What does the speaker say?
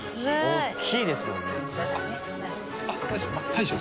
大きいですもんね。